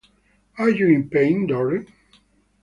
Are you in pain, darling?